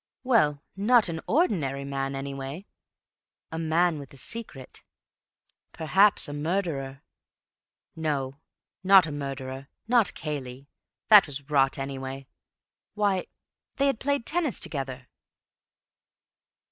Well, not an ordinary man, anyway. A man with a secret. Perhaps a—a murderer. No, not a murderer; not Cayley. That was rot, anyway. Why, they had played tennis together.